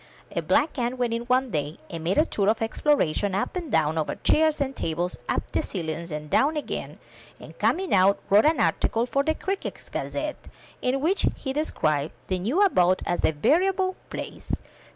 A black ant went in one day and made a tour of exploration up and down, over chairs and tables, up the ceilings and down again, and cortiing out, wrote an article for the Crickets* Gazette, in which he described the new abode as a veritable palace.